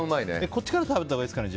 こっちから食べたほうがいいですかね。